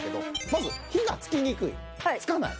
まず火がつきにくいつかない